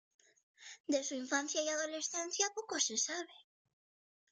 De su infancia y adolescencia poco se sabe.